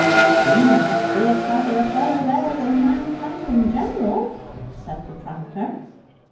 "You must be a cleverer feller, then, than mankind in jineral," said the tranter.